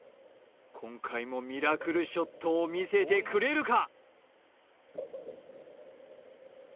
今回もミラクルショットを見せてくれるか？